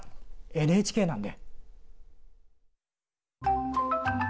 ＮＨＫなんで。